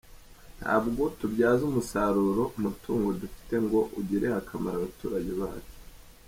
Ntabwo tubyaza umusaruro umutungo dufite ngo ugirire akamaro abaturage bacu.